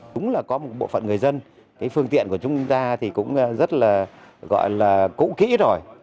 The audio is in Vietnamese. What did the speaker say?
chúng là có một bộ phận người dân phương tiện của chúng ta cũng rất là cụ kỹ rồi